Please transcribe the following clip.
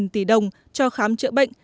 hai mươi bốn tỷ đồng cho khám trợ bệnh